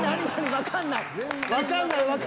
わかんない。